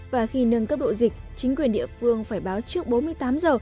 và khi nâng cấp độ dịch chính quyền địa phương phải báo trước bốn mươi tám giờ